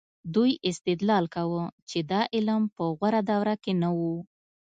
دوی استدلال کاوه چې دا علم په غوره دوره کې نه و.